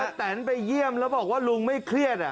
แตนไปเยี่ยมแล้วบอกว่าลุงไม่เครียด